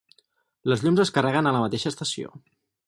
Les llums es carreguen a la mateixa estació.